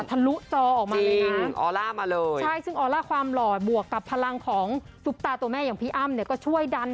คนนี้หล่อจังเลยอะมาเล่นกู่ส์คุณอ้าม